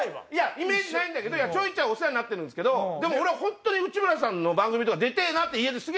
イメージないんだけどちょいちょいお世話になってるんですけどでも俺はホントに内村さんの番組とか出てぇなって。